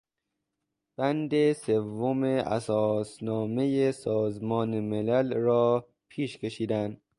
بند سوم اساسنامهی سازمان ملل را پیش کشیدن